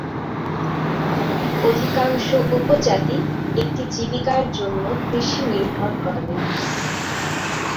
অধিকাংশ উপজাতি একটি জীবিকার জন্য কৃষি নির্ভর করে।